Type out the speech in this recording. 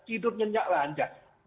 tidurnya nyaklah saja